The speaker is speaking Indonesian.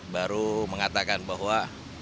baru mengatakan bahwa